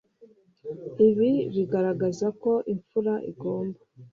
ibi bigaragaza ko imfura igomba